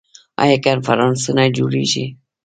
آیا کنفرانسونه جوړیږي؟